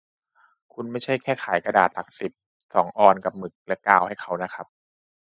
คุณไม่ได้แค่ขายกระดาษหนักสิบสองออนซ์กับหมึกและกาวให้เขานะครับ